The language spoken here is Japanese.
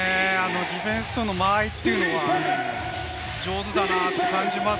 ディフェンスとの間合いは上手だなと感じます。